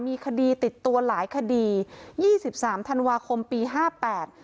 มีคดีติดตัวหลายคดียี่สิบสามธันวาคมปีห้าแปด